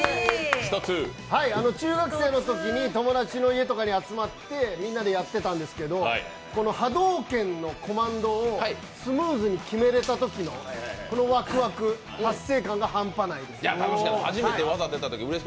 中学生のときに友達の家とかに集まってみんなでやってたんですけど、波動拳のコマンドをスムーズに決めれたときのワクワク、達成感が半端ないです。